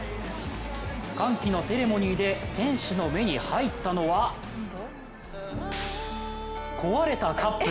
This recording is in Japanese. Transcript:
歓喜のセレモニーで選手の目に入ったのは壊れたカップ！